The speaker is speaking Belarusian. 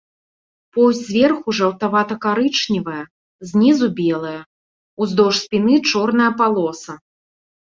Поўсць зверху жаўтавата-карычневая, знізу белая, уздоўж спіны чорная палоса.